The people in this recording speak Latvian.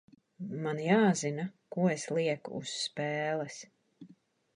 Man jāzina, ko es lieku uz spēles.